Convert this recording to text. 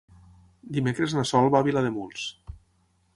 Dimecres na Sol va a Vilademuls.